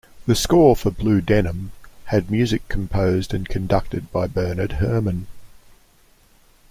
The score for "Blue Denim" had music composed and conducted by Bernard Herrmann.